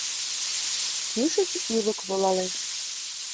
Кӱшыч ӱлык волалеш